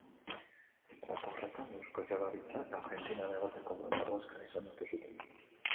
Data horretan, Eusko Jaurlaritzak Argentinan egoteko duen ordezkari izendatu zuten.